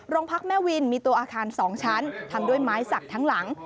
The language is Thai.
พักแม่วินมีตัวอาคาร๒ชั้นทำด้วยไม้สักทั้งหลัง